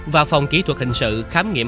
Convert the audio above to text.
và phòng kỹ thuật hình sự khám nghiệm